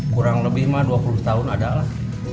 kurang lebih dua puluh tahun ada lah